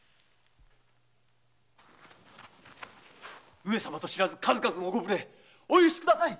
上様と知らず数々のご無礼お許しください！